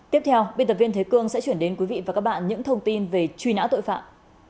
tiếp theo biên tập viên thế cương sẽ chuyển đến quý vị và các bạn những thông tin về truy nã tội phạm